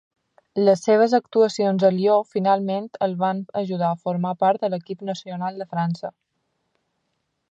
Les seves actuacions a Lió finalment el van ajudar a formar part a l'equip nacional de França.